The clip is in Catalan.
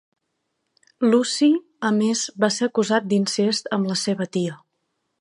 Luci a més va ser acusat d'incest amb la seva tia.